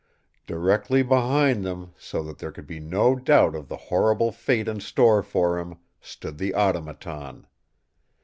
Directly behind them, so that there could be no doubt of the horrible fate in store for him, stood the Automaton.